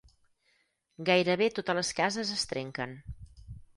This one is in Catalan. Gairebé totes les cases es trenquen.